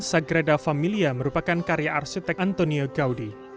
sagrada familia merupakan karya arsitek antonio gaudi